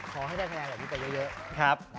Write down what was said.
ขอให้ได้คะแนนแบบนี้ไปเยอะครับ